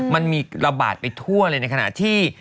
มันมีระบาดไปทั่วเลยในขณะที่